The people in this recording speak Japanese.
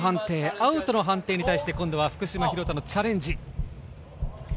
アウトの判定に対して福島・廣田ペアのチャレンジ。